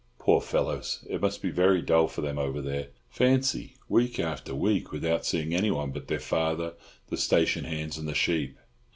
Poor fellows, it must be very dull for them over there. Fancy, week after week without seeing anyone but their father, the station hands, and the sheep!